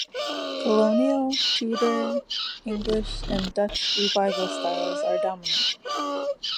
Colonial, Tudor, English and Dutch Revival styles are dominant.